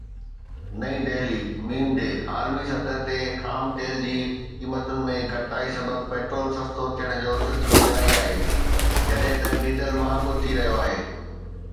نئين دهلي (م ڊ) عالمي سطح تي خام تيل جي قيمتن ۾ گهٽتائي سبب پيٽرول سستو ٿيڻ جو سلسلو جاري آهي جڏهن ته ڊيزل مهانگو ٿي رهيو آهي.